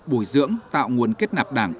bùi dưỡng tạo nguồn kết nạp đảng